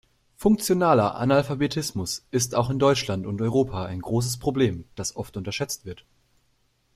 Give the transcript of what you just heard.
Funktionaler Analphabetismus ist auch in Deutschland und Europa ein großes Problem, das oft unterschätzt wird.